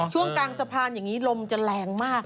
ช่วงกลางสะพานอย่างนี้ลมจะแรงมาก